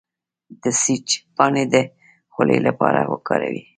د سیج پاڼې د خولې لپاره وکاروئ